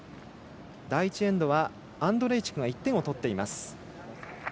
第１エンドはアンドレイチクが１点を取っています。